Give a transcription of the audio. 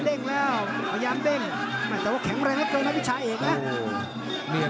เด้งแล้วพยายามเด้งแข็งแรงเกินมากเกินวิชาเอก